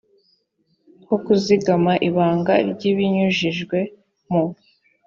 h kuzigama ibanga ry ibinyujijwe mu